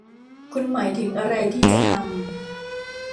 คุณหมายถึงอะไรที่จะทำ ?